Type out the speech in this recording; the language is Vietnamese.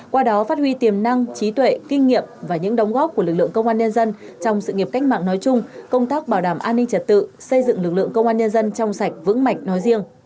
qua đó phát huy tiềm năng trí tuệ kinh nghiệm và những đóng góp của lực lượng công an nhân dân trong sự nghiệp cách mạng nói chung công tác bảo đảm an ninh trật tự xây dựng lực lượng công an nhân dân trong sạch vững mạnh nói riêng